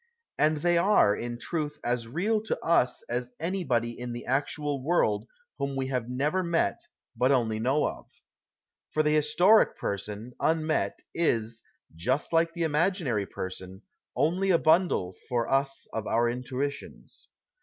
And they arc, in truth, as real to us as anybody in the actual world whom we have never met but only know of. For the historic person, unmet, is, just like the imaginary person, only a bundle for us of our intuitions.